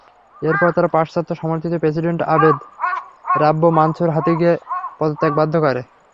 এরপর তারা পাশ্চাত্য-সমর্থিত প্রেসিডেন্ট আবেদ রাব্বো মানসুর হাদিকে পদত্যাগে বাধ্য করে।